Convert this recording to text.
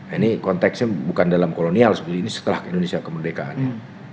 ini konteksnya bukan dalam kolonial seperti ini setelah indonesia kemerdekaannya